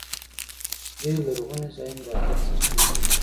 دوی لرغوني ځایونه د عاید سرچینه ګڼي.